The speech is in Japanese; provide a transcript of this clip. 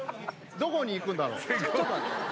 どこに行くんだろう。